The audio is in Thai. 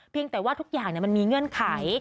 แต่ว่าทุกอย่างมันมีเงื่อนไข